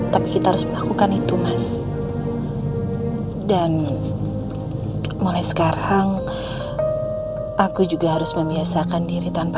gak boleh kaget tuh botol kecap